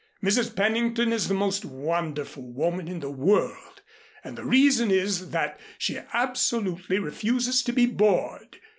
Mrs. Pennington is the most wonderful woman in the world, and the reason is that she absolutely refuses to be bored.